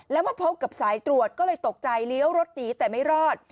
แล้วมาพบกับสายตรวจก็เลยตกใจเลี้ยวรถหนีแต่ไม่รอด